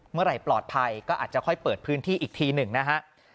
เมื่อไหร่ปลอดภัยก็อาจจะค่อยเปิดพื้นที่อีกทีหนึ่งนะฮะ